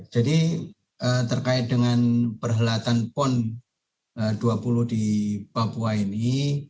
jadi terkait dengan perhelatan pon dua puluh di papua ini